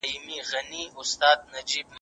کېدای سي زه منډه ووهم!!